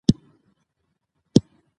دا زموږ تاریخي مسوولیت دی.